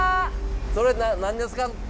それ何ですか？